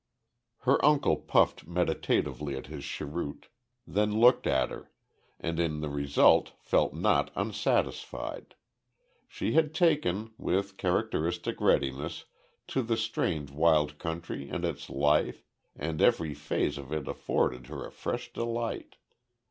Her uncle puffed meditatively at his cheroot, then looked at her, and in the result felt not unsatisfied. She had taken, with characteristic readiness, to this strange wild country and its life and every phase of it afforded her a fresh delight.